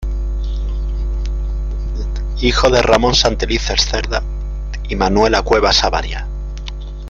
Hijo de "Ramón Santelices Cerda" y "Manuela Cuevas Avaria".